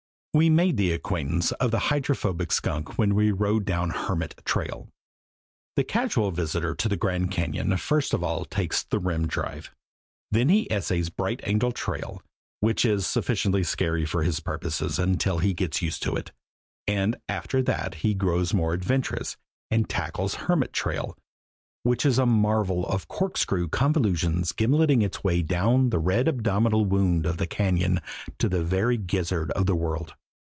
We made the acquaintance of the Hydrophobic Skunk when we rode down Hermit Trail. The casual visitor to the Grand Cañon first of all takes the rim drive; then he essays Bright Angel Trail, which is sufficiently scary for his purposes until he gets used to it; and after that he grows more adventurous and tackles Hermit Trail, which is a marvel of corkscrew convolutions, gimleting its way down this red abdominal wound of a cañon to the very gizzard of the world.